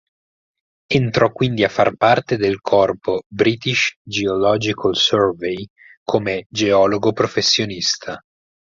Entrò quindi a far parte del corpo British Geological Survey come geologo professionista.